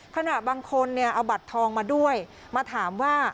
ขนาดบางคนเอาบัตรทองมาด้วยมาถามว่า